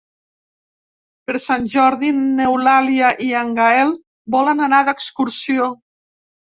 Per Sant Jordi n'Eulàlia i en Gaël volen anar d'excursió.